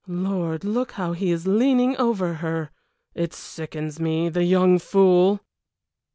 Lord, look how he is leaning over her! It sickens me! The young fool!"